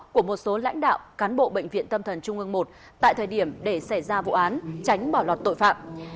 của một số lãnh đạo cán bộ bệnh viện tâm thần trung ương một tại thời điểm để xảy ra vụ án tránh bỏ lọt tội phạm